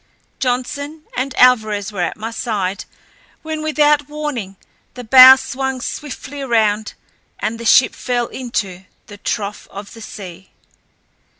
Johnson and Alvarez were at my side when, without warning, the bow swung swiftly around and the ship fell into the trough of the sea.